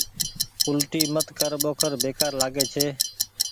اولٽي مت ڪر ٻوکر بيڪآر لآڳي ڇي